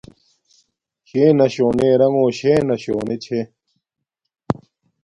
شݵنݳ شݸنݺ رَݣݸ شݵنݳ شݸنݺ چھݺ.